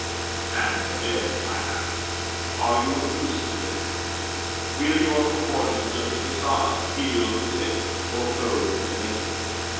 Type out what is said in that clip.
And, again, I ask Are you of use to any one? Will your proportions of the façade heal the sick, or clothe the naked?